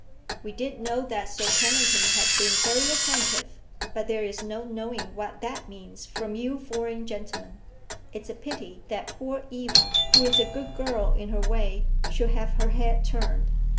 "We did know that Sir Kennington had been very attentive, but there is no knowing what that means from you foreign gentlemen. It's a pity that poor Eva, who is a good girl in her way, should have her head turned."